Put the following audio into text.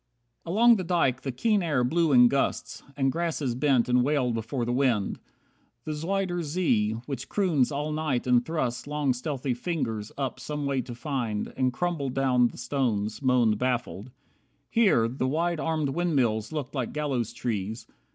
65 Along the dyke the keen air blew in gusts, And grasses bent and wailed before the wind. The Zuider Zee, which croons all night and thrusts Long stealthy fingers up some way to find And crumble down the stones, moaned baffled. Here The wide armed windmills looked like gallows trees.